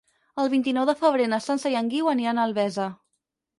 El vint-i-nou de febrer na Sança i en Guiu aniran a Albesa.